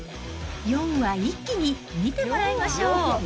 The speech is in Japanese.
４話一気に見てもらいましょう。